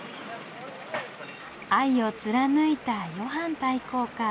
愛を貫いたヨハン大公か。